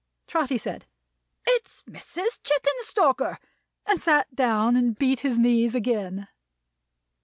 Trotty said: "It's Mrs. Chickenstalker!" And sat down and beat his knees again.